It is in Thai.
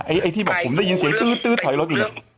ไอ้ที่บอกกุมได้ยินเสียงตื้อถอยรถอีก